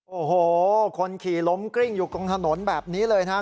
โอ้โหคนขี่ล้มกริ้งอยู่ตรงถนนแบบนี้เลยนะครับ